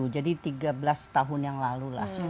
jadi tiga belas tahun yang lalu lah